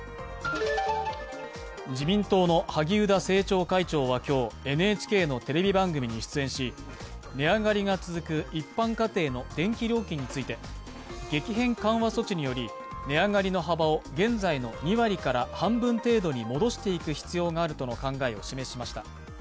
自民党の萩生田政調会長は今日、ＮＨＫのテレビ番組に出演し、値上がりが続く一般家庭の電気料金について、激変緩和措置により値上がりの幅を現在の２割から半分程度に戻していく必要があるとの考えを示しました。